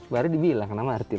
baru dibilang nama martil